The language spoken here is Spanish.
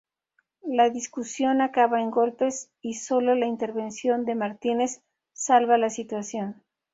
La discusión acaba en golpes y sólo la intervención de Martínez salva la situación.